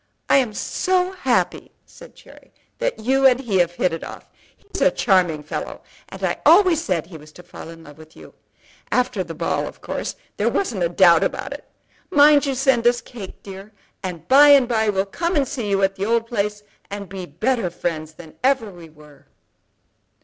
"I am so happy," said Cherry, "that you and he have hit it off. He's a charming fellow, and I always said he was to fall in love with you. After the ball of course there wasn't a doubt about it. Mind you send us cake, dear; and by and by we'll come and see you at the old place, and be better friends than ever we were."